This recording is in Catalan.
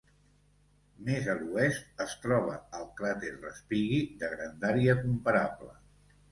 Més a l'oest es troba el cràter Respighi, de grandària comparable.